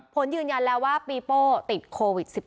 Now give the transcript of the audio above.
ผลยืนยันแล้วว่าปีโป้ติดโควิด๑๙